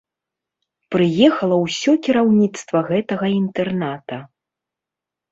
Прыехала ўсё кіраўніцтва гэтага інтэрната.